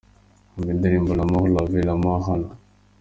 Umva indirimbo “L’Amour, La vie, La Mort” hano: .